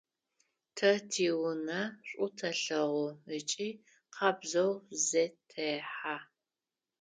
Тэ тиунэ шӏу тэлъэгъу ыкӏи къабзэу зетэхьэ.